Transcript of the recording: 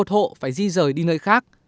một mươi một hộ phải di rời đi nơi khác